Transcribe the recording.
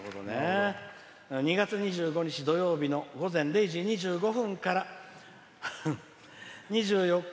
２月２５日土曜日の午前０時２５分から２４日